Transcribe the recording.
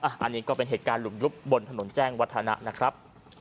อันนี้ก็เป็นเหตุการณ์หลุมยุบบนถนนแจ้งวัฒนะนะครับ